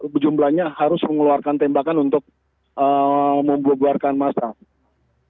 bejumlahnya harus mengeluarkan tembakan untuk membuarkan masalah